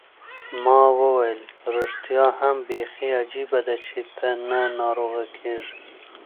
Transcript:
ما وویل: ریښتیا هم، بیخي عجبه ده، چي ته نه ناروغه کېږې.